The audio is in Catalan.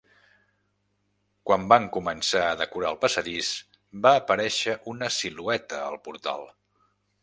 Quan van començar a decorar el passadís, va aparèixer una silueta al portal.